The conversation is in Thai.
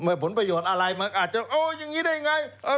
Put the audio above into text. เหมือนผลประโยชน์อะไรมันอาจจะโอ๊ยอย่างนี้ได้อย่างไร